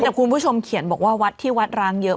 แต่คุณผู้ชมเขียนบอกว่าวัดที่วัดร้างเยอะ